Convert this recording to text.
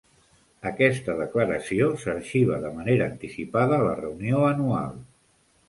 Aquesta declaració s"arxiva de manera anticipada a la reunió anual.